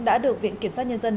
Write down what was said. đã được viện kiểm soát nhân dân